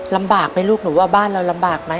ลำบากมั้ยลูกหนูว่าบ้านเรารำบากมั้ย